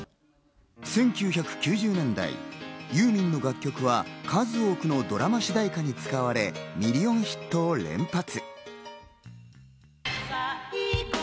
１９９０年代、ユーミンの楽曲は数多くのドラマ主題歌に使われ、ミリオンヒットを連発。